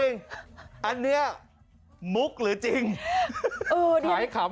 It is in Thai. ไม่ดูจะจริงเลยครับ